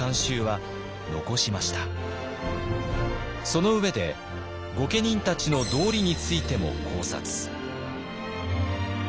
その上で御家人たちの「道理」についても考察。